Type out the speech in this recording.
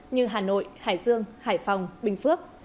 như hà nội hải dương hải phòng bình phước